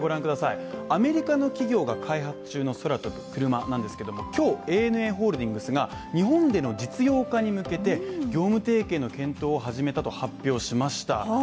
アメリカの企業が開発中の空飛ぶクルマなんですが、今日ＡＮＡホールディングスが日本での実用化に向けて業務提携の検討を始めたと発表しました。